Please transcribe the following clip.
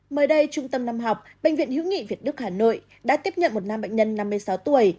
mới đây trung tâm năm học bệnh viện hữu nghị việt đức hà nội đã tiếp nhận một nam bệnh nhân năm mươi sáu tuổi